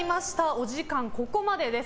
お時間ここまでです。